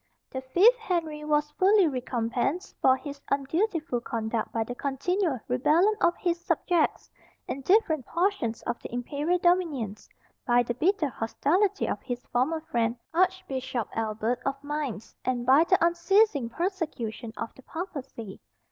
The fifth Henry was fully recompensed for his undutiful conduct by the continual rebellion of his subjects in different portions of the imperial dominions, by the bitter hostility of his former friend, Archbishop Albert, of Mainz, and by the unceasing persecution of the Papacy.